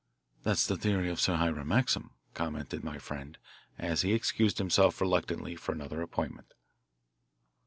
"That's the theory of Sir Hiram Maxim;" commented my friend, as he excused himself reluctantly for another appointment.